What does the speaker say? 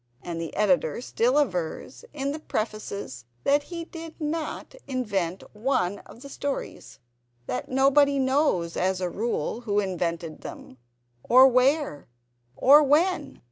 And the Editor still avers, in Prefaces, that he did not invent one of the stories; that nobody knows, as a rule, who invented them, or where, or when.